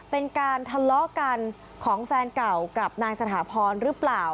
เป็นการทะเลาะกันของแฟนเก่ากับนายสถาพรหรือเปล่า